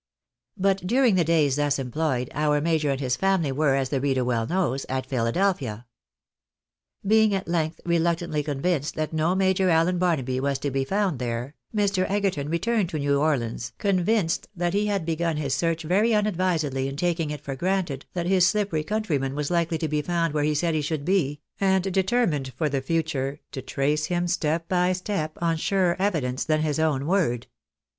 But during the days thus employed, our major and his faimly were, as the reader well knows, at Philadelphia. Being at length reluctantly convinced that no Major Allen THE PUESUIT. 335 Barnaby was to be found there, Mr. Egerton returned to 1/ew Orleans, convinced that he had begun his search very unadvisedly in taking it for granted that his slippery countryman was likely to be found where he said he should be, and determined for the future to trace him step by step, on surer evidence than his own word.